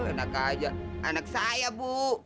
enak aja anak saya bu